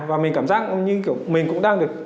và mình cảm giác như kiểu mình cũng đang được